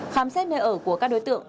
khám xét nơi ở của các đối tượng